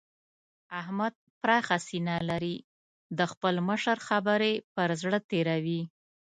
احمد پراخه سينه لري؛ د خپل مشر خبرې پر زړه تېروي.